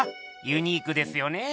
ユニークですよねぇ！